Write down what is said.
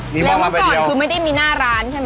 แล้วเมื่อก่อนคือไม่ได้มีหน้าร้านใช่ไหม